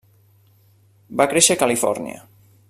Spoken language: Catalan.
Va créixer a Califòrnia.